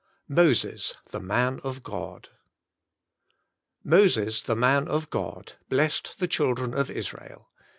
VI MOSES, THE MAN OF GOD "Moses, the man of God, blessed the children of Israel."